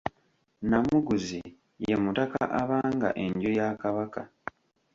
Namuguzi ye mutaka abanga enju ya Kabaka.